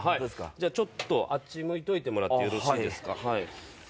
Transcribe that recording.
ちょっとあっち向いといてもらってよろしいですか。